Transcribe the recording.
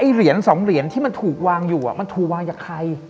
เหรียญ๒เหรียญที่มันถูกวางอยู่มันถูกวางจากใคร